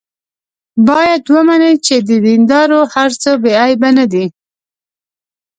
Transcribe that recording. باید ومني چې د دیندارو هر څه بې عیبه نه دي.